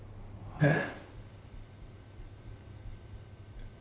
えっ？